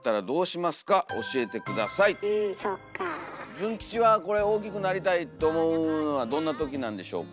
ズン吉は大きくなりたいと思うのはどんなときなんでしょうか？